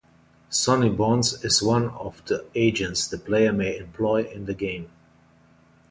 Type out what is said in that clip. Sonny Bonds is one of the agents the player may employ in the game.